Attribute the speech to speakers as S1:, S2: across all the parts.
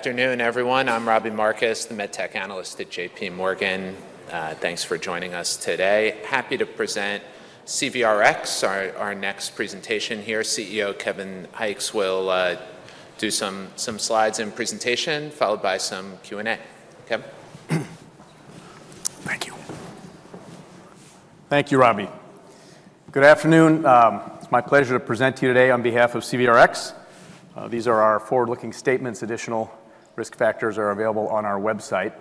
S1: Afternoon, everyone. I'm Robbie Marcus, the MedTech analyst at JPMorgan. Thanks for joining us today. Happy to present CVRx, our next presentation here. CEO Kevin Hykes will do some slides and presentation, followed by some Q&A. Kevin.
S2: Thank you. Thank you, Robbie. Good afternoon. It's my pleasure to present to you today on behalf of CVRx. These are our forward-looking statements. Additional risk factors are available on our website.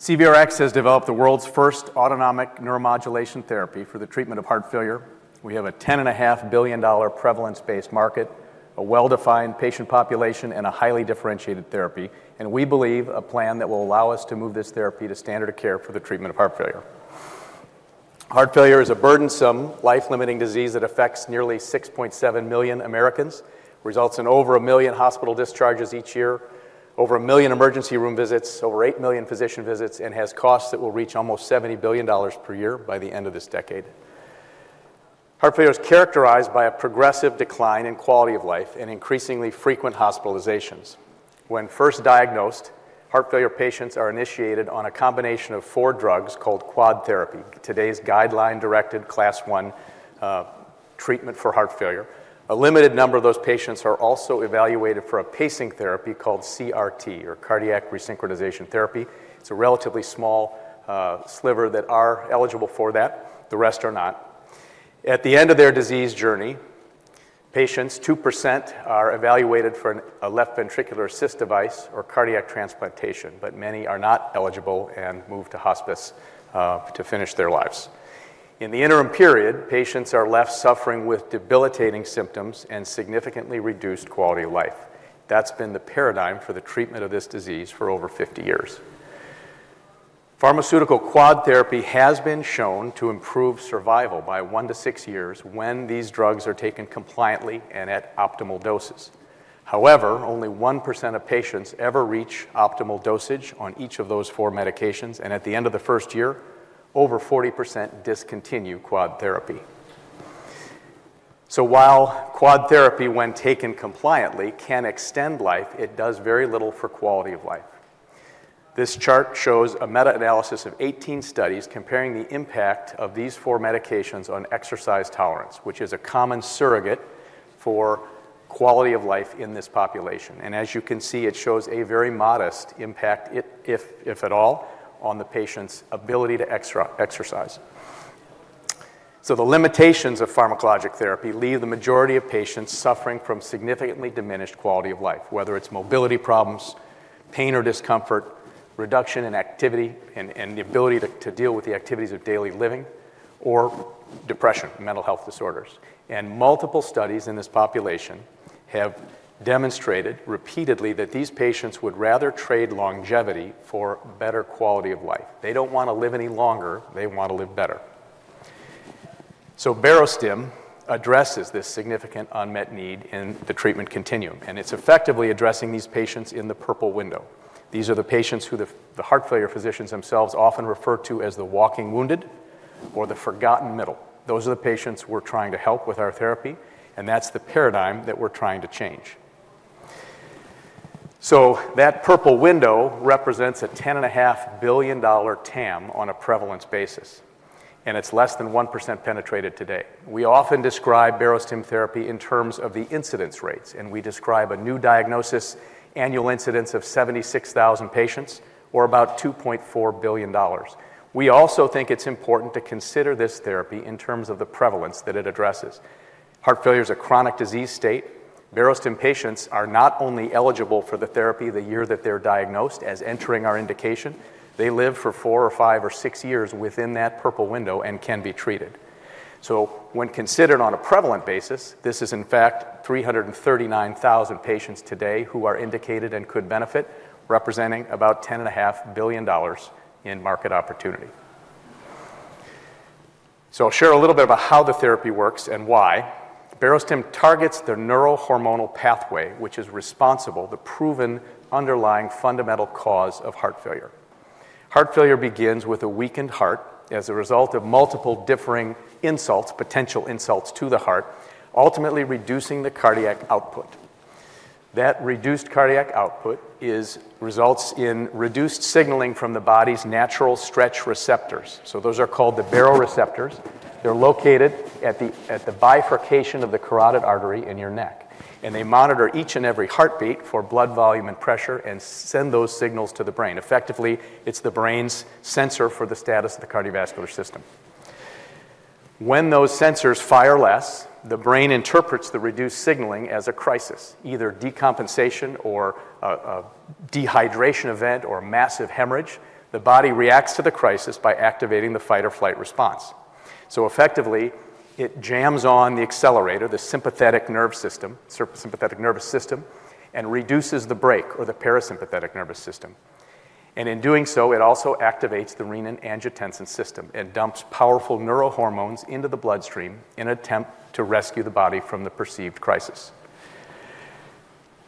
S2: CVRx has developed the world's first autonomic neuromodulation therapy for the treatment of heart failure. We have a $10.5 billion prevalence-based market, a well-defined patient population, and a highly differentiated therapy, and we believe a plan that will allow us to move this therapy to standard of care for the treatment of heart failure. Heart failure is a burdensome, life-limiting disease that affects nearly 6.7 million Americans, results in over a million hospital discharges each year, over a million emergency room visits, over eight million physician visits, and has costs that will reach almost $70 billion per year by the end of this decade. Heart failure is characterized by a progressive decline in quality of life and increasingly frequent hospitalizations. When first diagnosed, heart failure patients are initiated on a combination of four drugs called quad therapy, today's guideline-directed class one treatment for heart failure. A limited number of those patients are also evaluated for a pacing therapy called CRT, or cardiac resynchronization therapy. It's a relatively small sliver that are eligible for that. The rest are not. At the end of their disease journey, patients, 2%, are evaluated for a left ventricular assist device or cardiac transplantation, but many are not eligible and move to hospice to finish their lives. In the interim period, patients are left suffering with debilitating symptoms and significantly reduced quality of life. That's been the paradigm for the treatment of this disease for over 50 years. Pharmaceutical quad therapy has been shown to improve survival by one to six years when these drugs are taken compliantly and at optimal doses. However, only 1% of patients ever reach optimal dosage on each of those four medications, and at the end of the first year, over 40% discontinue quad therapy. So while quad therapy, when taken compliantly, can extend life, it does very little for quality of life. This chart shows a meta-analysis of 18 studies comparing the impact of these four medications on exercise tolerance, which is a common surrogate for quality of life in this population. And as you can see, it shows a very modest impact, if at all, on the patient's ability to exercise. So, the limitations of pharmacologic therapy leave the majority of patients suffering from significantly diminished quality of life, whether it's mobility problems, pain or discomfort, reduction in activity, and the ability to deal with the activities of daily living, or depression, mental health disorders. Multiple studies in this population have demonstrated repeatedly that these patients would rather trade longevity for better quality of life. They don't want to live any longer. They want to live better. Barostim addresses this significant unmet need in the treatment continuum, and it's effectively addressing these patients in the purple window. These are the patients who the heart failure physicians themselves often refer to as the walking wounded or the forgotten middle. Those are the patients we're trying to help with our therapy, and that's the paradigm that we're trying to change. That purple window represents a $10.5 billion TAM on a prevalence basis, and it's less than 1% penetrated today. We often describe Barostim therapy in terms of the incidence rates, and we describe a new diagnosis annual incidence of 76,000 patients, or about $2.4 billion. We also think it's important to consider this therapy in terms of the prevalence that it addresses. Heart failure is a chronic disease state. Barostim patients are not only eligible for the therapy the year that they're diagnosed as entering our indication. They live for four or five or six years within that purple window and can be treated. So when considered on a prevalent basis, this is, in fact, 339,000 patients today who are indicated and could benefit, representing about $10.5 billion in market opportunity. So I'll share a little bit about how the therapy works and why. Barostim targets the neurohormonal pathway, which is responsible, the proven underlying fundamental cause of heart failure. Heart failure begins with a weakened heart as a result of multiple differing insults, potential insults to the heart, ultimately reducing the cardiac output. That reduced cardiac output results in reduced signaling from the body's natural stretch receptors, so those are called the baroreceptors. They're located at the bifurcation of the carotid artery in your neck, and they monitor each and every heartbeat for blood volume and pressure and send those signals to the brain. Effectively, it's the brain's sensor for the status of the cardiovascular system. When those sensors fire less, the brain interprets the reduced signaling as a crisis, either decompensation or a dehydration event or massive hemorrhage. The body reacts to the crisis by activating the fight or flight response, so effectively, it jams on the accelerator, the sympathetic nervous system, and reduces the brake or the parasympathetic nervous system, and in doing so, it also activates the renin-angiotensin system and dumps powerful neurohormones into the bloodstream in an attempt to rescue the body from the perceived crisis.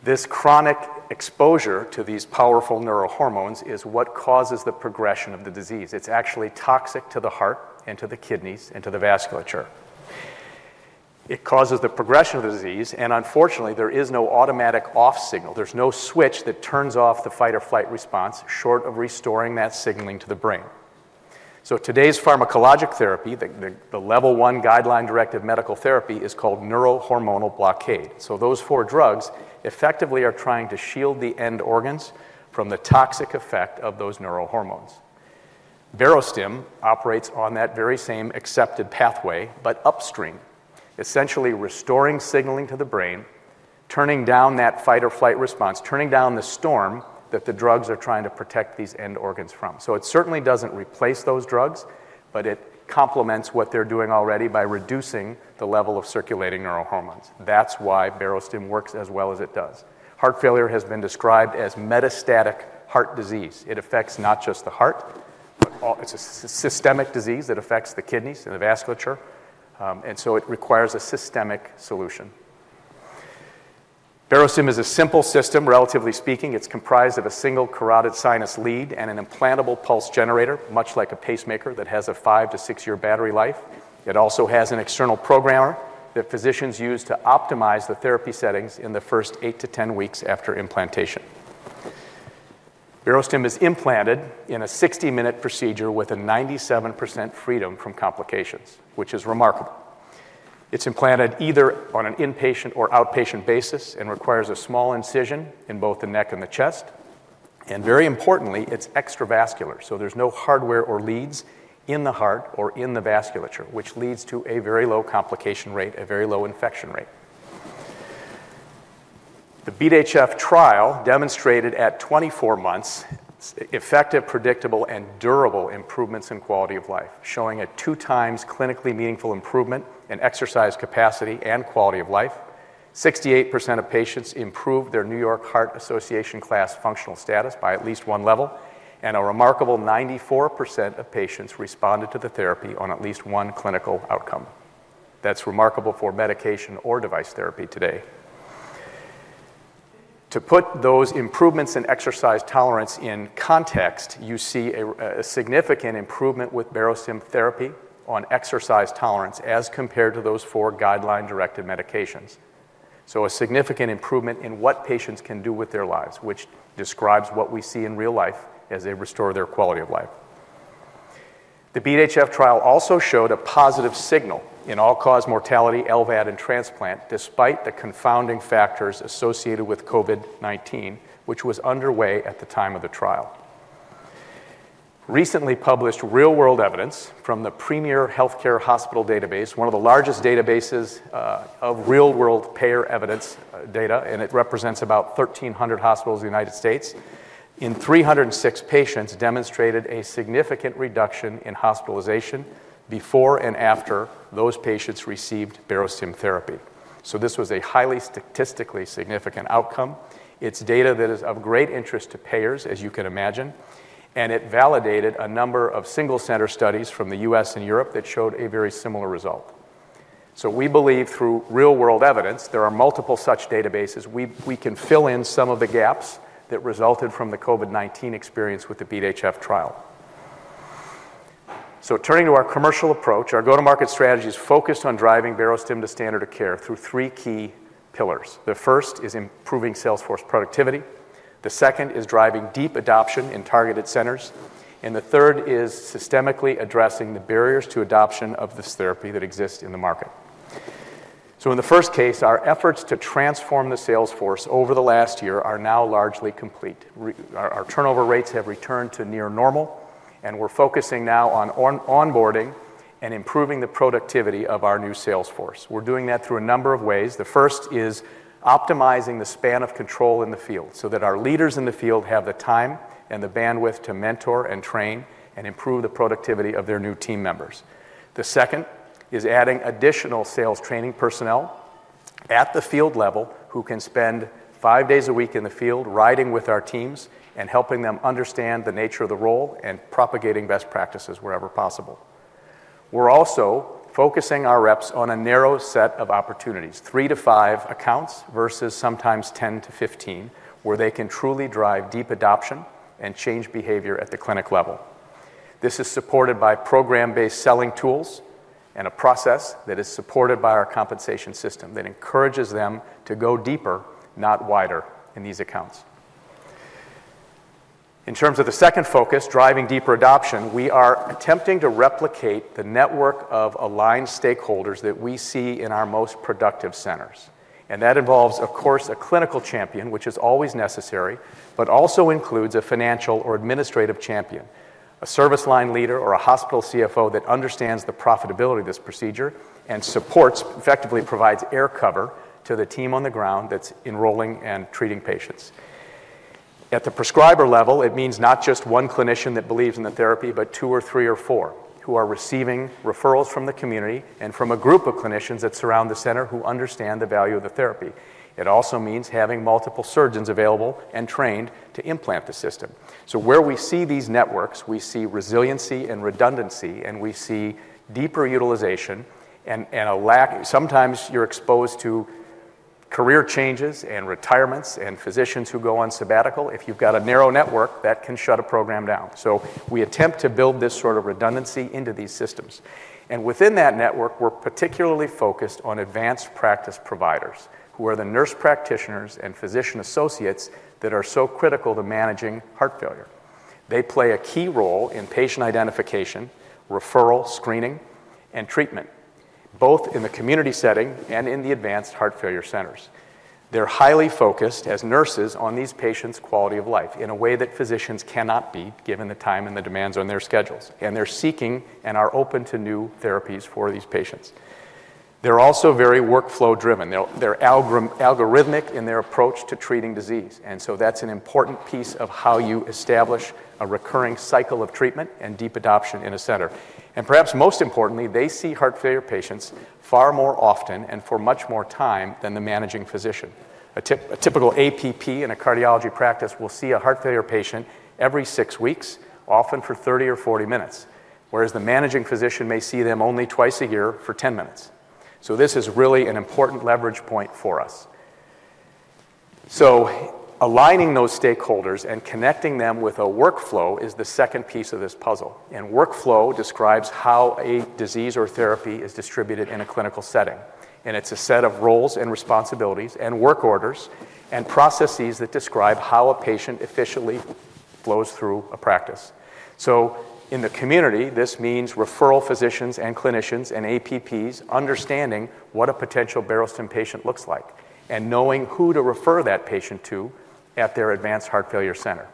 S2: This chronic exposure to these powerful neurohormones is what causes the progression of the disease. It's actually toxic to the heart and to the kidneys and to the vasculature. It causes the progression of the disease, and unfortunately, there is no automatic off signal. There's no switch that turns off the fight or flight response, short of restoring that signaling to the brain. So today's pharmacologic therapy, the level one guideline-directed medical therapy, is called neurohormonal blockade. So those four drugs effectively are trying to shield the end organs from the toxic effect of those neurohormones. Barostim operates on that very same accepted pathway, but upstream, essentially restoring signaling to the brain, turning down that fight or flight response, turning down the storm that the drugs are trying to protect these end organs from. So, it certainly doesn't replace those drugs, but it complements what they're doing already by reducing the level of circulating neurohormones. That's why Barostim works as well as it does. Heart failure has been described as metastatic heart disease. It affects not just the heart, but it's a systemic disease that affects the kidneys and the vasculature. And so, it requires a systemic solution. Barostim is a simple system, relatively speaking. It's comprised of a single carotid sinus lead and an implantable pulse generator, much like a pacemaker that has a five to six-year battery life. It also has an external programmer that physicians use to optimize the therapy settings in the first eight to 10 weeks after implantation. Barostim is implanted in a 60-minute procedure with a 97% freedom from complications, which is remarkable. It's implanted either on an inpatient or outpatient basis and requires a small incision in both the neck and the chest, and very importantly, it's extravascular, so there's no hardware or leads in the heart or in the vasculature, which leads to a very low complication rate, a very low infection rate. The BeAT-HF trial demonstrated at 24 months effective, predictable, and durable improvements in quality of life, showing a two-times clinically meaningful improvement in exercise capacity and quality of life. 68% of patients improved their New York Heart Association class functional status by at least one level, and a remarkable 94% of patients responded to the therapy on at least one clinical outcome. That's remarkable for medication or device therapy today. To put those improvements in exercise tolerance in context, you see a significant improvement with Barostim therapy on exercise tolerance as compared to those four guideline-directed medications. A significant improvement in what patients can do with their lives, which describes what we see in real life as they restore their quality of life. The BeAT-HF trial also showed a positive signal in all-cause mortality, LVAD, and transplant, despite the confounding factors associated with COVID-19, which was underway at the time of the trial. Recently published real-world evidence from the Premier Healthcare Database, one of the largest databases of real-world payer evidence data, and it represents about 1,300 hospitals in the United States, in 306 patients demonstrated a significant reduction in hospitalization before and after those patients received Barostim therapy. This was a highly statistically significant outcome. It's data that is of great interest to payers, as you can imagine, and it validated a number of single-center studies from the US and Europe that showed a very similar result. We believe through real-world evidence, there are multiple such databases. We can fill in some of the gaps that resulted from the COVID-19 experience with the BeAT-HF trial. Turning to our commercial approach, our go-to-market strategy is focused on driving Barostim to standard of care through three key pillars. The first is improving salesforce productivity. The second is driving deep adoption in targeted centers. The third is systemically addressing the barriers to adoption of this therapy that exists in the market. In the first case, our efforts to transform the salesforce over the last year are now largely complete. Our turnover rates have returned to near normal, and we're focusing now on onboarding and improving the productivity of our new salesforce. We're doing that through a number of ways. The first is optimizing the span of control in the field so that our leaders in the field have the time and the bandwidth to mentor and train and improve the productivity of their new team members. The second is adding additional sales training personnel at the field level who can spend five days a week in the field riding with our teams and helping them understand the nature of the role and propagating best practices wherever possible. We're also focusing our reps on a narrow set of opportunities, three to five accounts versus sometimes 10 to 15, where they can truly drive deep adoption and change behavior at the clinic level. This is supported by program-based selling tools and a process that is supported by our compensation system that encourages them to go deeper, not wider, in these accounts. In terms of the second focus, driving deeper adoption, we are attempting to replicate the network of aligned stakeholders that we see in our most productive centers. And that involves, of course, a clinical champion, which is always necessary, but also includes a financial or administrative champion, a service line leader, or a hospital CFO that understands the profitability of this procedure and supports, effectively provides air cover to the team on the ground that's enrolling and treating patients. At the prescriber level, it means not just one clinician that believes in the therapy, but two or three or four who are receiving referrals from the community and from a group of clinicians that surround the center who understand the value of the therapy. It also means having multiple surgeons available and trained to implant the system. So where we see these networks, we see resiliency and redundancy, and we see deeper utilization and a lack. Sometimes you're exposed to career changes and retirements and physicians who go on sabbatical. If you've got a narrow network, that can shut a program down. So we attempt to build this sort of redundancy into these systems. And within that network, we're particularly focused on advanced practice providers who are the nurse practitioners and physician associates that are so critical to managing heart failure. They play a key role in patient identification, referral, screening, and treatment, both in the community setting and in the advanced heart failure centers. They're highly focused as nurses on these patients' quality of life in a way that physicians cannot be given the time and the demands on their schedules. And they're seeking and are open to new therapies for these patients. They're also very workflow-driven. They're algorithmic in their approach to treating disease. And so that's an important piece of how you establish a recurring cycle of treatment and deep adoption in a center. And perhaps most importantly, they see heart failure patients far more often and for much more time than the managing physician. A typical APP in a cardiology practice will see a heart failure patient every six weeks, often for 30 or 40 minutes, whereas the managing physician may see them only twice a year for 10 minutes. So, this is really an important leverage point for us. So, aligning those stakeholders and connecting them with a workflow is the second piece of this puzzle. And workflow describes how a disease or therapy is distributed in a clinical setting. It's a set of roles and responsibilities and work orders and processes that describe how a patient efficiently flows through a practice. In the community, this means referral physicians and clinicians and APPs understanding what a potential Barostim patient looks like and knowing who to refer that patient to at their advanced heart failure center.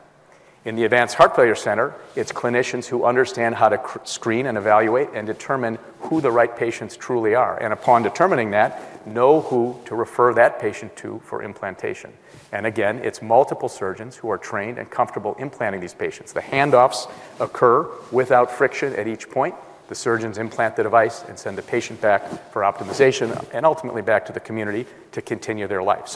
S2: In the advanced heart failure center, it's clinicians who understand how to screen and evaluate and determine who the right patients truly are. Upon determining that, know who to refer that patient to for implantation. Again, it's multiple surgeons who are trained and comfortable implanting these patients. The handoffs occur without friction at each point. The surgeons implant the device and send the patient back for optimization and ultimately back to the community to continue their life.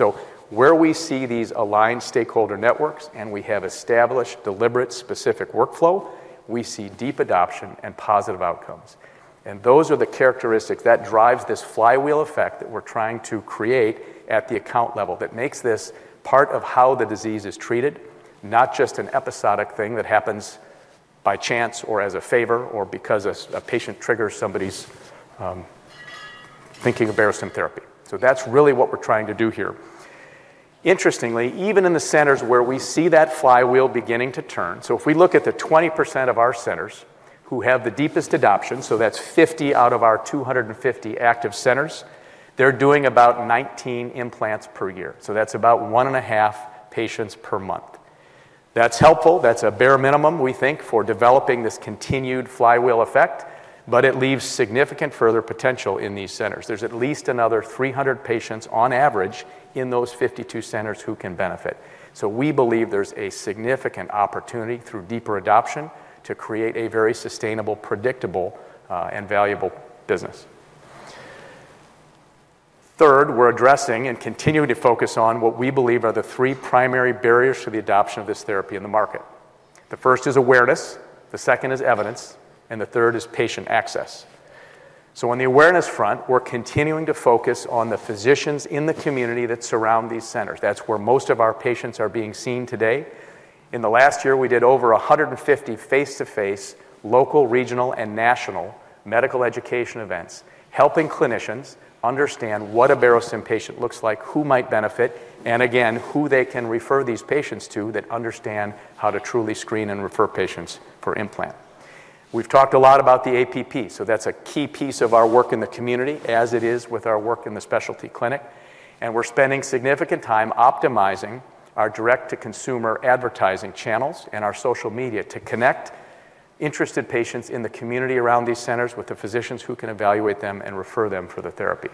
S2: Where we see these aligned stakeholder networks and we have established deliberate specific workflow, we see deep adoption and positive outcomes. And those are the characteristics that drive this flywheel effect that we're trying to create at the account level that makes this part of how the disease is treated, not just an episodic thing that happens by chance or as a favor or because a patient triggers somebody's thinking of Barostim therapy. That's really what we're trying to do here. Interestingly, even in the centers where we see that flywheel beginning to turn, if we look at the 20% of our centers who have the deepest adoption, that's 50 out of our 250 active centers, they're doing about 19 implants per year. That's about one and a half patients per month. That's helpful. That's a bare minimum, we think, for developing this continued flywheel effect, but it leaves significant further potential in these centers. There's at least another 300 patients on average in those 52 centers who can benefit. So we believe there's a significant opportunity through deeper adoption to create a very sustainable, predictable, and valuable business. Third, we're addressing and continuing to focus on what we believe are the three primary barriers to the adoption of this therapy in the market. The first is awareness. The second is evidence. And the third is patient access. So on the awareness front, we're continuing to focus on the physicians in the community that surround these centers. That's where most of our patients are being seen today. In the last year, we did over 150 face-to-face local, regional, and national medical education events, helping clinicians understand what a Barostim patient looks like, who might benefit, and again, who they can refer these patients to that understand how to truly screen and refer patients for implant. We've talked a lot about the APP, so that's a key piece of our work in the community as it is with our work in the specialty clinic, and we're spending significant time optimizing our direct-to-consumer advertising channels and our social media to connect interested patients in the community around these centers with the physicians who can evaluate them and refer them for the therapy.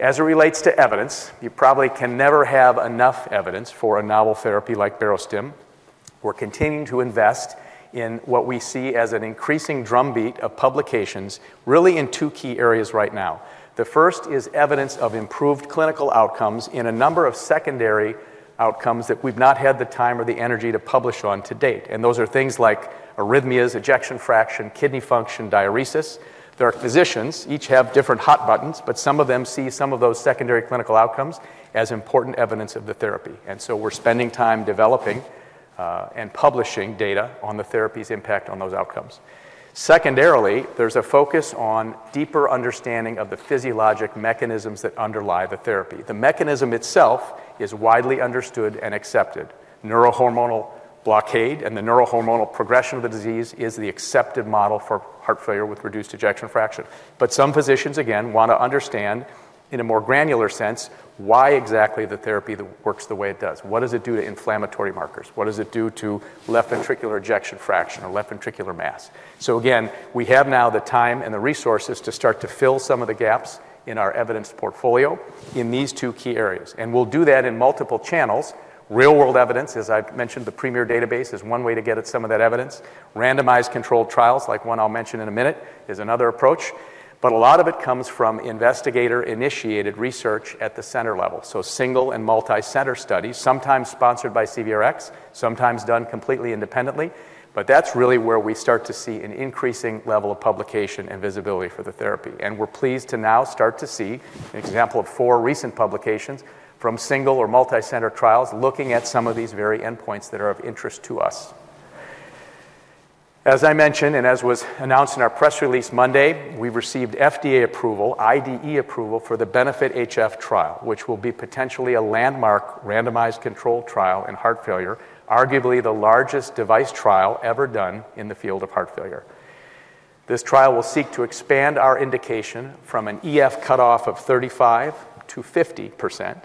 S2: As it relates to evidence, you probably can never have enough evidence for a novel therapy like Barostim. We're continuing to invest in what we see as an increasing drumbeat of publications, really in two key areas right now. The first is evidence of improved clinical outcomes in a number of secondary outcomes that we've not had the time or the energy to publish on to date. And those are things like arrhythmias, ejection fraction, kidney function, diuresis. There are physicians, each have different hot buttons, but some of them see some of those secondary clinical outcomes as important evidence of the therapy. And so, we're spending time developing and publishing data on the therapy's impact on those outcomes. Secondarily, there's a focus on deeper understanding of the physiologic mechanisms that underlie the therapy. The mechanism itself is widely understood and accepted. Neurohormonal blockade and the neurohormonal progression of the disease is the accepted model for heart failure with reduced ejection fraction. But some physicians, again, want to understand in a more granular sense why exactly the therapy works the way it does. What does it do to inflammatory markers? What does it do to left ventricular ejection fraction or left ventricular mass? So again, we have now the time and the resources to start to fill some of the gaps in our evidence portfolio in these two key areas. And we'll do that in multiple channels. Real-world evidence, as I've mentioned, the Premier database is one way to get at some of that evidence. Randomized controlled trials, like one I'll mention in a minute, is another approach. But a lot of it comes from investigator-initiated research at the center level. So single and multi-center studies, sometimes sponsored by CVRx, sometimes done completely independently. But that's really where we start to see an increasing level of publication and visibility for the therapy. We're pleased to now start to see an example of four recent publications from single or multi-center trials looking at some of these very endpoints that are of interest to us. As I mentioned, and as was announced in our press release Monday, we received FDA approval, IDE approval for the BENEFIT-HF trial, which will be potentially a landmark randomized controlled trial in heart failure, arguably the largest device trial ever done in the field of heart failure. This trial will seek to expand our indication from an EF cutoff of 35% to 50%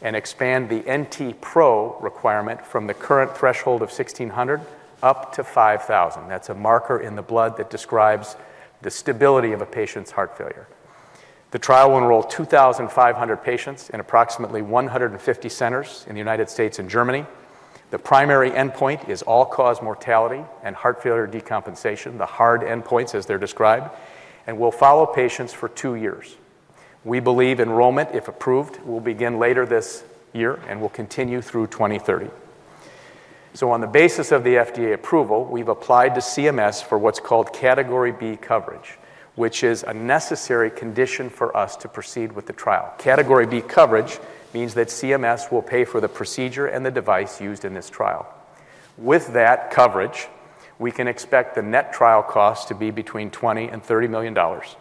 S2: and expand the NT-Pro requirement from the current threshold of 1,600 up to 5,000. That's a marker in the blood that describes the stability of a patient's heart failure. The trial will enroll 2,500 patients in approximately 150 centers in the United States and Germany. The primary endpoint is all-cause mortality and heart failure decompensation, the hard endpoints as they're described, and we'll follow patients for two years. We believe enrollment, if approved, will begin later this year and will continue through 2030, so on the basis of the FDA approval, we've applied to CMS for what's called Category B coverage, which is a necessary condition for us to proceed with the trial. Category B coverage means that CMS will pay for the procedure and the device used in this trial. With that coverage, we can expect the net trial cost to be between $20 million and $30 million dollars,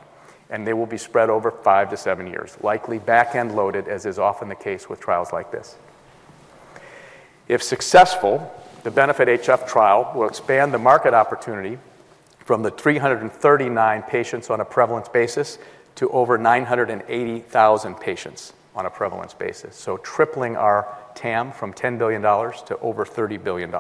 S2: and they will be spread over five to seven years, likely back-end loaded as is often the case with trials like this. If successful, the BENEFIT-HF trial will expand the market opportunity from the 339 patients on a prevalence basis to over 980,000 patients on a prevalence basis, so tripling our TAM from $10 billion to over $30 billion,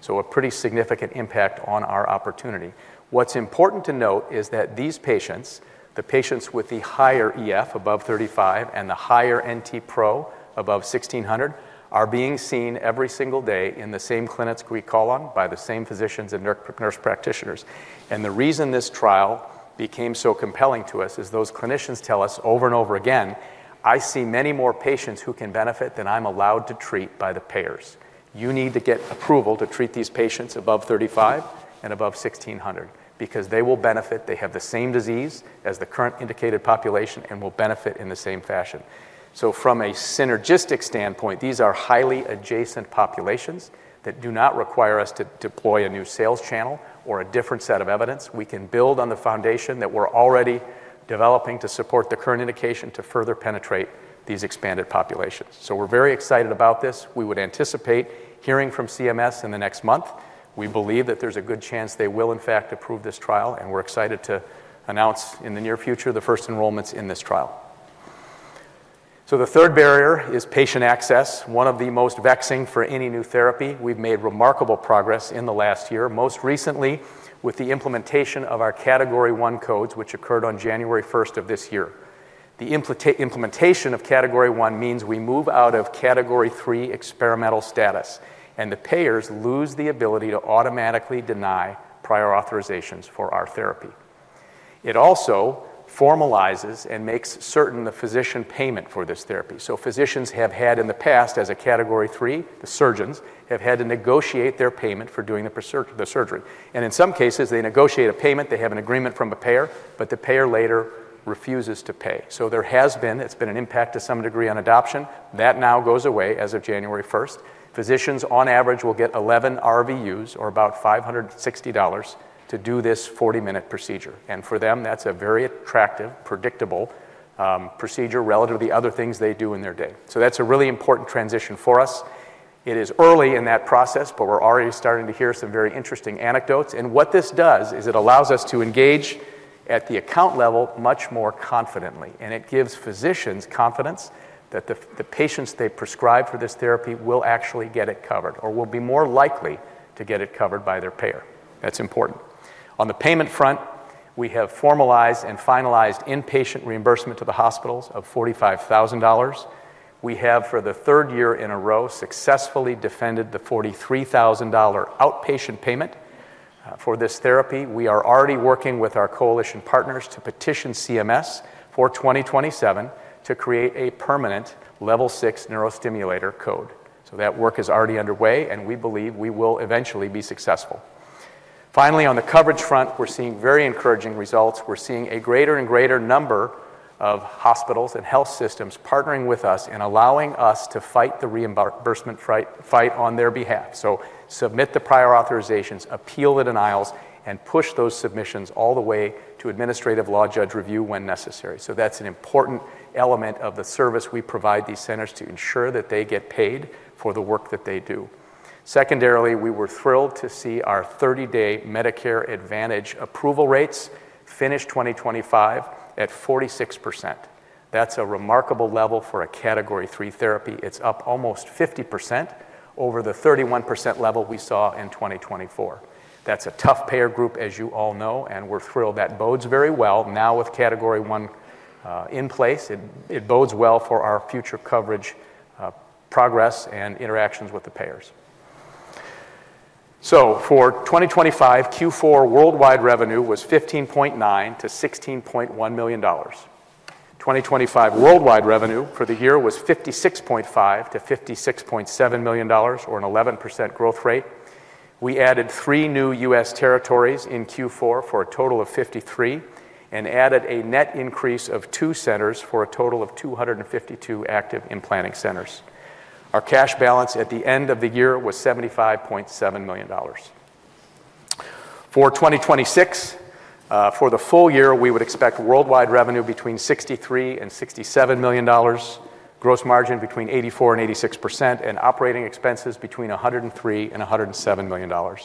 S2: so a pretty significant impact on our opportunity. What's important to note is that these patients, the patients with the higher EF above 35 and the higher NT-Pro above 1,600, are being seen every single day in the same clinics we call on by the same physicians and nurse practitioners, and the reason this trial became so compelling to us is those clinicians tell us over and over again, "I see many more patients who can benefit than I'm allowed to treat by the payers. You need to get approval to treat these patients above 35 and above 1,600 because they will benefit. They have the same disease as the current indicated population and will benefit in the same fashion." So from a synergistic standpoint, these are highly adjacent populations that do not require us to deploy a new sales channel or a different set of evidence. We can build on the foundation that we're already developing to support the current indication to further penetrate these expanded populations. So we're very excited about this. We would anticipate hearing from CMS in the next month. We believe that there's a good chance they will, in fact, approve this trial. And we're excited to announce in the near future the first enrollments in this trial. So the third barrier is patient access, one of the most vexing for any new therapy. We've made remarkable progress in the last year, most recently with the implementation of our Category I codes, which occurred on January 1st of this year. The implementation of Category I means we move out of Category III experimental status, and the payers lose the ability to automatically deny prior authorizations for our therapy. It also formalizes and makes certain the physician payment for this therapy, so physicians have had in the past, as a Category III, the surgeons have had to negotiate their payment for doing the surgery. And in some cases, they negotiate a payment. They have an agreement from a payer, but the payer later refuses to pay, so there has been an impact to some degree on adoption. That now goes away as of 1 January 2026. Physicians, on average, will get 11 RVUs or about $560 to do this 40-minute procedure. And for them, that's a very attractive, predictable procedure relative to the other things they do in their day. So that's a really important transition for us. It is early in that process, but we're already starting to hear some very interesting anecdotes. And what this does is it allows us to engage at the account level much more confidently. And it gives physicians confidence that the patients they prescribe for this therapy will actually get it covered or will be more likely to get it covered by their payer. That's important. On the payment front, we have formalized and finalized inpatient reimbursement to the hospitals of $45,000. We have, for the third year in a row, successfully defended the $43,000 outpatient payment for this therapy. We are already working with our coalition partners to petition CMS for 2027 to create a permanent Level 6 neurostimulator code. So that work is already underway, and we believe we will eventually be successful. Finally, on the coverage front, we're seeing very encouraging results. We're seeing a greater and greater number of hospitals and health systems partnering with us and allowing us to fight the reimbursement fight on their behalf. So submit the prior authorizations, appeal the denials, and push those submissions all the way to administrative law judge review when necessary. So that's an important element of the service we provide these centers to ensure that they get paid for the work that they do. Secondarily, we were thrilled to see our 30-day Medicare Advantage approval rates finish 2025 at 46%. That's a remarkable level for a Category III therapy. It's up almost 50% over the 31% level we saw in 2024. That's a tough payer group, as you all know, and we're thrilled that bodes very well. Now, with Category I in place, it bodes well for our future coverage progress and interactions with the payers. So, for 2025, fourth quarter worldwide revenue was $15.9 to 16.1 million. 2025 worldwide revenue for the year was $56.5 to 56.7 million, or an 11% growth rate. We added three new US territories in fourth quarter for a total of 53 and added a net increase of two centers for a total of 252 active implanting centers. Our cash balance at the end of the year was $75.7 million. For 2026, for the full year, we would expect worldwide revenue between $63 million and $67 million, gross margin between 84% and 86%, and operating expenses between $103 million and $107 million.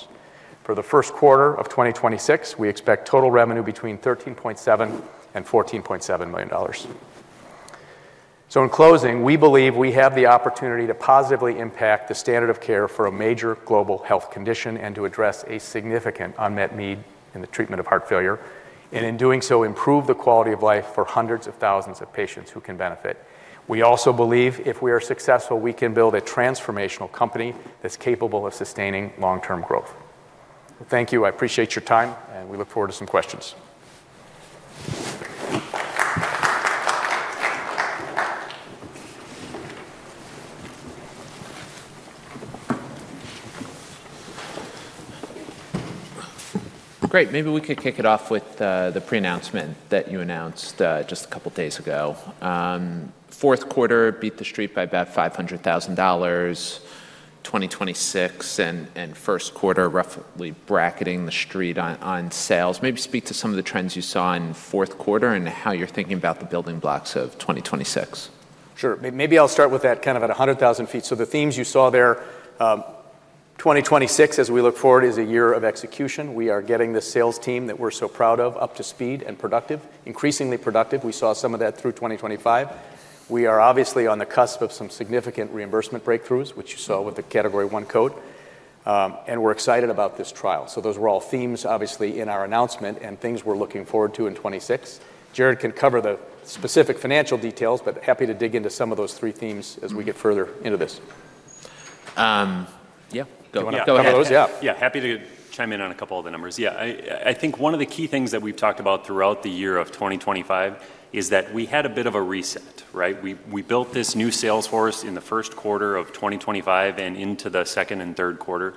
S2: For the first quarter of 2026, we expect total revenue between $13.7 million and $14.7 million. So in closing, we believe we have the opportunity to positively impact the standard of care for a major global health condition and to address a significant unmet need in the treatment of heart failure. And in doing so, improve the quality of life for hundreds of thousands of patients who can benefit. We also believe if we are successful, we can build a transformational company that's capable of sustaining long-term growth. Thank you. I appreciate your time, and we look forward to some questions.
S1: Great. Maybe we could kick it off with the pre-announcement that you announced just a couple of days ago. Fourth quarter beat the street by about $500,000, 2026, and first quarter roughly bracketing the street on sales. Maybe speak to some of the trends you saw in fourth quarter and how you're thinking about the building blocks of 2026.
S2: Sure. Maybe I'll start with that, kind of, at 100,000 feet. So the themes you saw there, 2026, as we look forward, is a year of execution. We are getting the sales team that we're so proud of up to speed and productive, increasingly productive. We saw some of that through 2025. We are obviously on the cusp of some significant reimbursement breakthroughs, which you saw with the Category I code. And we're excited about this trial. So those were all themes, obviously, in our announcement and things we're looking forward to in 2026. Jared can cover the specific financial details, but happy to dig into some of those three themes as we get further into this.
S1: Yeah. Go ahead. Go ahead with those.
S3: Yeah. Yeah. Happy to chime in on a couple of the numbers. Yeah. I think one of the key things that we've talked about throughout the year of 2025 is that we had a bit of a reset, right? We built this new sales force in the first quarter of 2025 and into the second and third quarter.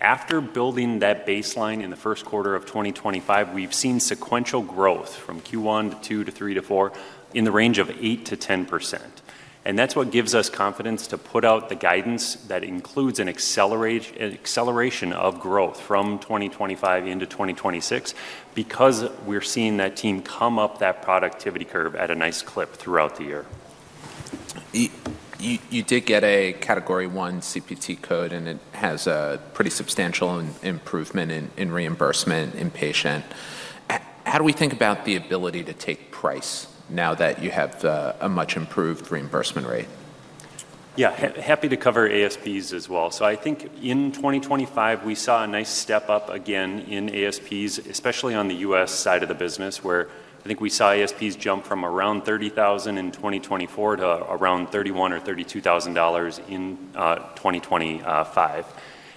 S3: After building that baseline in the first quarter of 2025, we've seen sequential growth from first quarter to second quarter to third quarter to fourth quarter in the range of 8% to 10%. That's what gives us confidence to put out the guidance that includes an acceleration of growth from 2025 into 2026 because we're seeing that team come up that productivity curve at a nice clip throughout the year.
S1: You did get a Category I CPT code, and it has a pretty substantial improvement in inpatient reimbursement. How do we think about the ability to take price now that you have a much improved reimbursement rate?
S3: Yeah. Happy to cover ASPs as well. So I think in 2025, we saw a nice step up again in ASPs, especially on the US side of the business, where I think we saw ASPs jump from around $30,000 in 2024 to around $31,000 or $32,000 in 2025.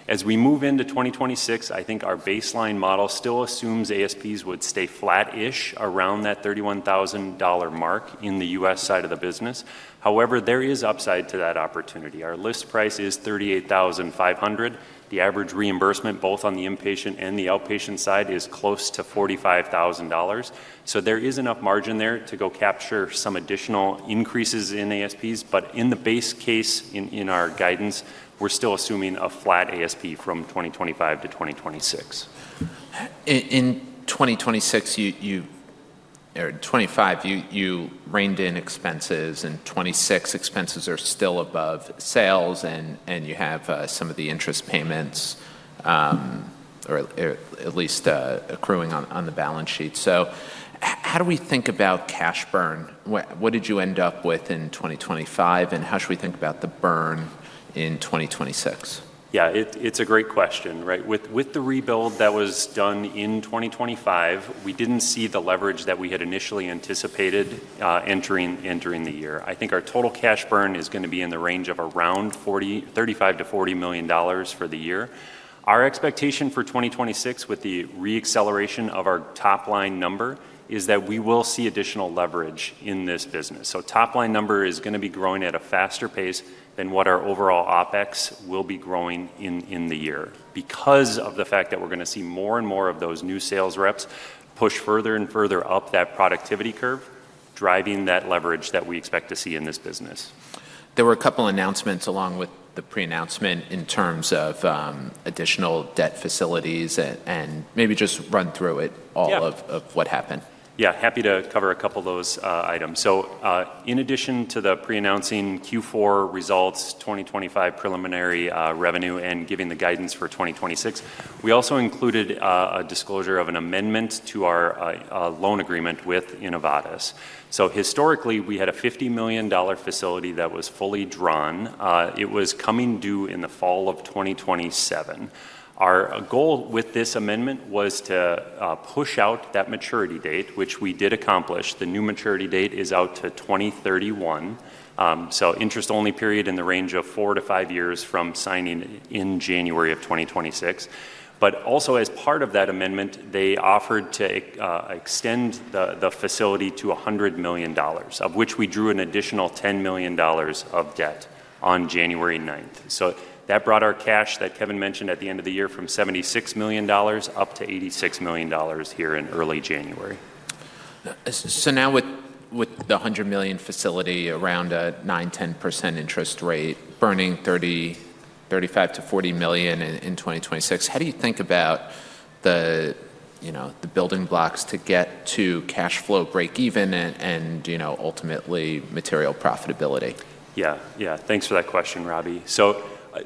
S3: As we move into 2026, I think our baseline model still assumes ASPs would stay flat-ish around that $31,000 mark in the US side of the business. However, there is upside to that opportunity. Our list price is $38,500. The average reimbursement, both on the inpatient and the outpatient side, is close to $45,000. So there is enough margin there to go capture some additional increases in ASPs. But in the base case in our guidance, we're still assuming a flat ASP from 2025 to 2026.
S1: In 2026, or 2025, you reined in expenses, and 2026, expenses are still above sales, and you have some of the interest payments at least accruing on the balance sheet. So how do we think about cash burn? What did you end up with in 2025, and how should we think about the burn in 2026?
S3: Yeah. It's a great question, right? With the rebuild that was done in 2025, we didn't see the leverage that we had initially anticipated entering the year. I think our total cash burn is going to be in the range of around $35 to 40 million for the year. Our expectation for 2026, with the reacceleration of our top-line number, is that we will see additional leverage in this business. Top-line number is going to be growing at a faster pace than what our overall OpEx will be growing in the year because of the fact that we're going to see more and more of those new sales reps push further and further up that productivity curve, driving that leverage that we expect to see in this business.
S1: There were a couple of announcements along with the pre-announcement in terms of additional debt facilities, and maybe just run through it all of what happened.
S3: Yeah. Happy to cover a couple of those items. In addition to the pre-announcing fourth quarter results, 2025 preliminary revenue, and giving the guidance for 2026, we also included a disclosure of an amendment to our loan agreement with Innovatus. Historically, we had a $50 million facility that was fully drawn. It was coming due in the fall of 2027. Our goal with this amendment was to push out that maturity date, which we did accomplish. The new maturity date is out to 2031. So interest-only period in the range of four to five years from signing in January of 2026. But also, as part of that amendment, they offered to extend the facility to $100 million, of which we drew an additional $10 million of debt on 9 January 2026. So that brought our cash that Kevin mentioned at the end of the year from $76 million up to $86 million here in early January.
S1: So now, with the $100 million facility, around a 9% to 10% interest rate, burning $35 to 40 million in 2026, how do you think about the building blocks to get to cash flow break-even and ultimately material profitability?
S3: Yeah. Yeah. Thanks for that question, Robbie. So,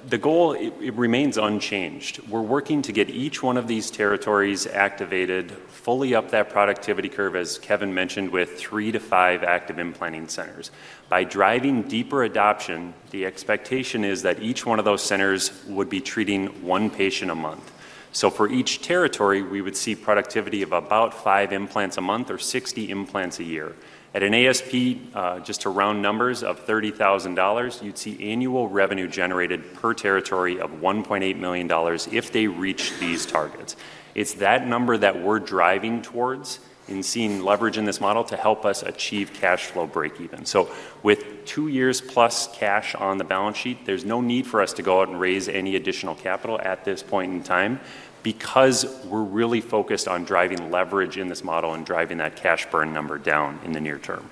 S3: the goal, it remains unchanged. We're working to get each one of these territories activated, fully up that productivity curve, as Kevin mentioned, with three to five active implanting centers. By driving deeper adoption, the expectation is that each one of those centers would be treating one patient a month. So, for each territory, we would see productivity of about five implants a month or 60 implants a year. At an ASP, just to round numbers of $30,000, you'd see annual revenue generated per territory of $1.8 million if they reach these targets. It's that number that we're driving towards and seeing leverage in this model to help us achieve cash flow break-even. So with two years plus cash on the balance sheet, there's no need for us to go out and raise any additional capital at this point in time because we're really focused on driving leverage in this model and driving that cash burn number down in the near term.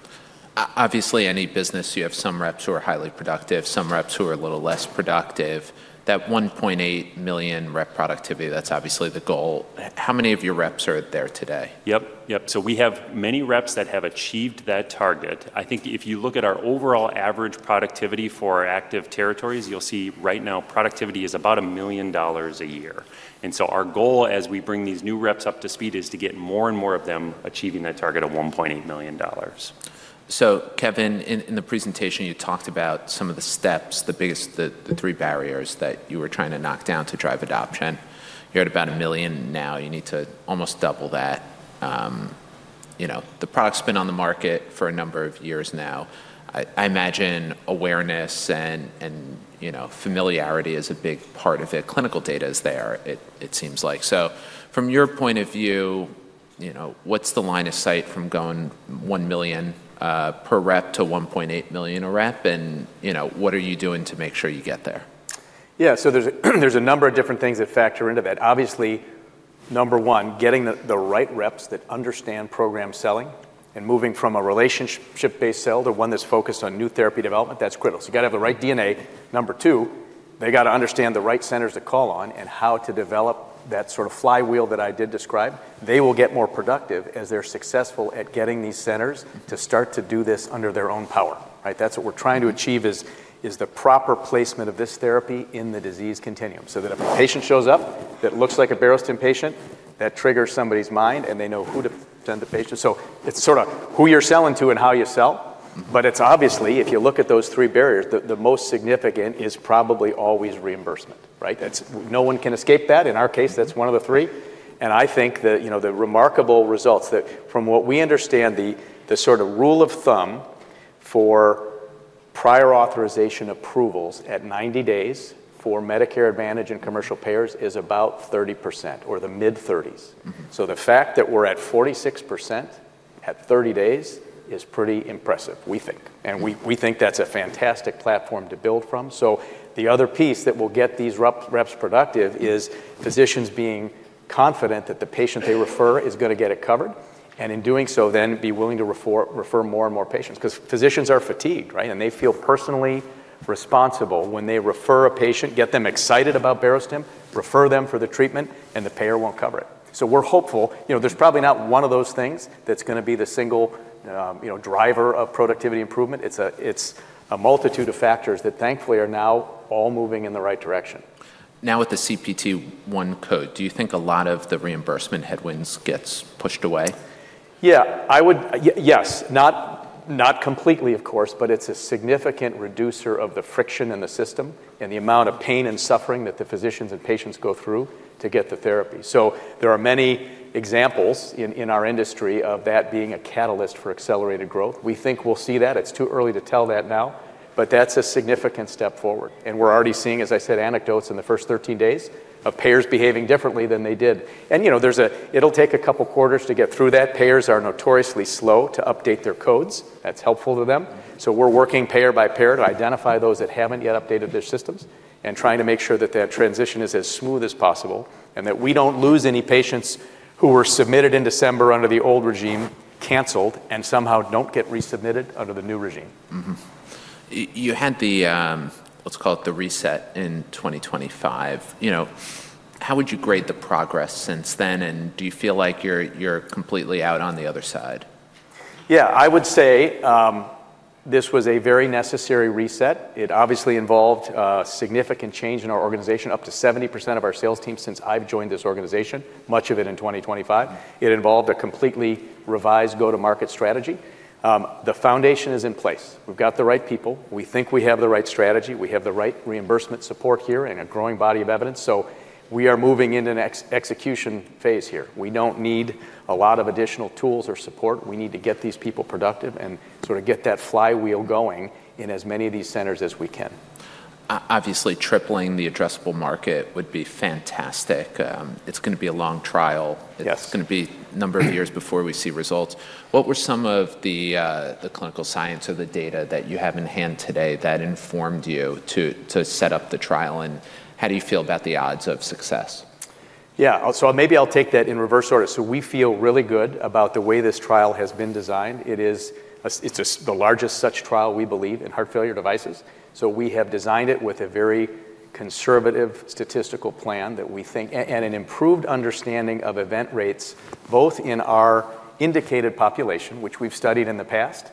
S1: Obviously, any business, you have some reps who are highly productive, some reps who are a little less productive. That $1.8 million rep productivity, that's obviously the goal. How many of your reps are there today?
S3: Yep. Yep. So we have many reps that have achieved that target. I think if you look at our overall average productivity for our active territories, you'll see right now productivity is about $1 million a year. And so our goal as we bring these new reps up to speed is to get more and more of them achieving that target of $1.8 million.
S1: So Kevin, in the presentation, you talked about some of the steps, the biggest, the three barriers that you were trying to knock down to drive adoption. You're at about $1 million now. You need to almost double that. The product's been on the market for a number of years now. I imagine awareness and familiarity is a big part of it. Clinical data is there, it seems like. So from your point of view, what's the line of sight from going $1 million per rep to $1.8 million a rep? And what are you doing to make sure you get there?
S2: Yeah. So there's a number of different things that factor into that. Obviously, number one, getting the right reps that understand program selling and moving from a relationship-based sale to one that's focused on new therapy development, that's critical. So you got to have the right DNA. Number two, they got to understand the right centers to call on and how to develop that sort of flywheel that I did describe. They will get more productive as they're successful at getting these centers to start to do this under their own power, right? That's what we're trying to achieve is the proper placement of this therapy in the disease continuum so that if a patient shows up that looks like a Barostim patient, that triggers somebody's mind and they know who to send the patient. So it's sort of who you're selling to and how you sell. But it's obviously, if you look at those three barriers, the most significant is probably always reimbursement, right? No one can escape that. In our case, that's one of the three. I think the remarkable results that, from what we understand, the sort of rule of thumb for prior authorization approvals at 90 days for Medicare Advantage and commercial payers is about 30% or the mid-30s. So the fact that we're at 46% at 30 days is pretty impressive, we think. And we think that's a fantastic platform to build from. So, the other piece that will get these reps productive is physicians being confident that the patient they refer is going to get it covered and in doing so then be willing to refer more and more patients because physicians are fatigued, right? And they feel personally responsible when they refer a patient, get them excited about Barostim, refer them for the treatment, and the payer won't cover it. So, we're hopeful. There's probably not one of those things that's going to be the single driver of productivity improvement. It's a multitude of factors that thankfully are now all moving in the right direction.
S1: Now, with the CPT one code, do you think a lot of the reimbursement headwinds gets pushed away?
S2: Yeah. Yes. Not completely, of course, but it's a significant reducer of the friction in the system and the amount of pain and suffering that the physicians and patients go through to get the therapy. So there are many examples in our industry of that being a catalyst for accelerated growth. We think we'll see that. It's too early to tell that now, but that's a significant step forward. And we're already seeing, as I said, anecdotes in the first 13 days of payers behaving differently than they did. And it'll take a couple of quarters to get through that. Payers are notoriously slow to update their codes. That's helpful to them. So we're working payer by payer to identify those that haven't yet updated their systems and trying to make sure that that transition is as smooth as possible and that we don't lose any patients who were submitted in December under the old regime, canceled, and somehow don't get resubmitted under the new regime.
S1: You had the, let's call it the reset in 2025. How would you grade the progress since then? And do you feel like you're completely out on the other side?
S2: Yeah. I would say this was a very necessary reset. It obviously involved a significant change in our organization, up to 70% of our sales team since I've joined this organization, much of it in 2025. It involved a completely revised go-to-market strategy. The foundation is in place. We've got the right people. We think we have the right strategy. We have the right reimbursement support here and a growing body of evidence. So we are moving into an execution phase here. We don't need a lot of additional tools or support. We need to get these people productive and sort of get that flywheel going in as many of these centers as we can.
S1: Obviously, tripling the addressable market would be fantastic. It's going to be a long trial. It's going to be a number of years before we see results. What were some of the clinical science or the data that you have in hand today that informed you to set up the trial? And how do you feel about the odds of success?
S2: Yeah. So maybe I'll take that in reverse order. So, we feel really good about the way this trial has been designed. It is the largest such trial we believe in heart failure devices. So, we have designed it with a very conservative statistical plan that we think, and an improved understanding of event rates, both in our indicated population, which we've studied in the past,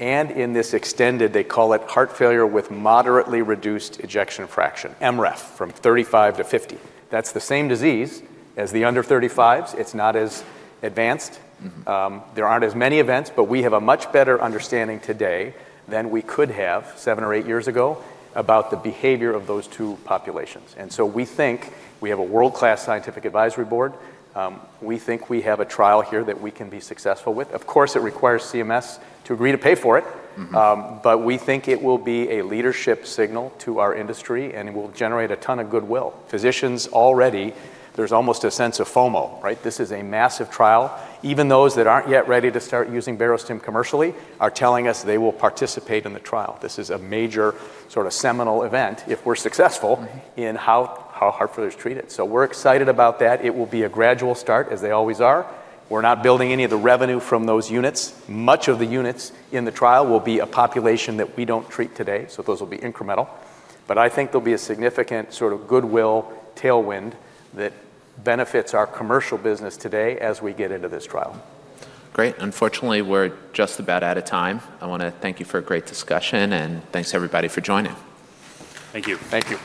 S2: and in this extended, they call it heart failure with moderately reduced ejection fraction, MREF, from 35 to 50. That's the same disease as the under 35s. It's not as advanced. There aren't as many events, but we have a much better understanding today than we could have seven or eight years ago about the behavior of those two populations. And so, we think we have a world-class scientific advisory board. We think we have a trial here that we can be successful with. Of course, it requires CMS to agree to pay for it, but we think it will be a leadership signal to our industry and will generate a ton of goodwill. Physicians already, there's almost a sense of FOMO, right? This is a massive trial. Even those that aren't yet ready to start using Barostim commercially are telling us they will participate in the trial. This is a major sort of seminal event if we're successful in how heart failure is treated. So we're excited about that. It will be a gradual start, as they always are. We're not building any of the revenue from those units. Much of the units in the trial will be a population that we don't treat today. So those will be incremental. But I think there'll be a significant sort of goodwill tailwind that benefits our commercial business today as we get into this trial.
S1: Great. Unfortunately, we're just about out of time. I want to thank you for a great discussion, and thanks to everybody for joining.
S2: Thank you.
S3: Thank you.